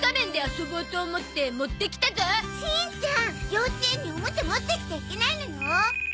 幼稚園におもちゃ持ってきちゃいけないのよ。